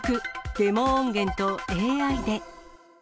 デモ音源とＡＩで。